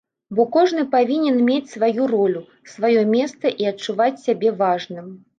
Бо кожны павінен мець сваю ролю, сваё месца і адчуваць сябе важным.